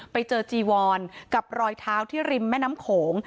ไปเจอจีวอนกับรอยเท้าที่ริมแม่น้ำโขง